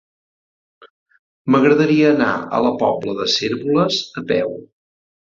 M'agradaria anar a la Pobla de Cérvoles a peu.